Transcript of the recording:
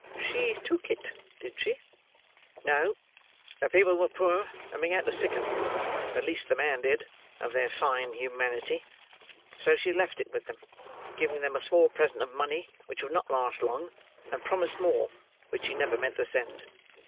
"She took it, did she?" "No. The people were poor and began to sicken—at least the man did—of their fine humanity; so she left it with them, giving them a small present of money which would not last long, and promised more, which she never meant to send.